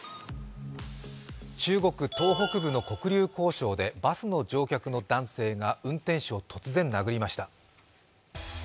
中国東北部の黒竜江省でバスの乗客の男性が運転手を突然殴りました。